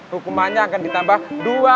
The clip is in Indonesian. hukumannya akan ditambah dua